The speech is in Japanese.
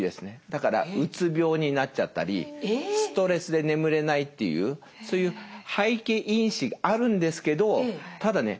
だからうつ病になっちゃったりストレスで眠れないっていうそういう背景因子があるんですけどただね